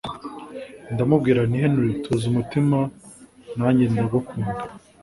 ndamubwira nti Henry tuza umutima nanjye ndagukunda